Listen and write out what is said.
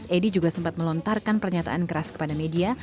edi juga sempat melontarkan pernyataan keras kepada media